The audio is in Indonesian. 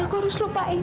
aku harus lupain